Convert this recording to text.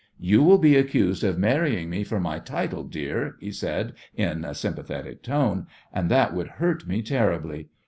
"You will be accused of marrying me for my title, dear," he said in a sympathetic tone, "and that would hurt me terribly.